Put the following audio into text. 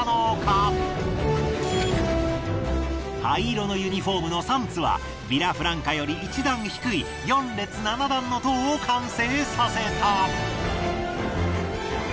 灰色のユニフォームのサンツはヴィラフランカより１段低い４列７段の塔を完成させた。